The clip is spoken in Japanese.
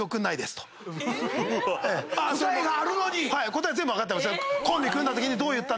答え全部分かってますよ。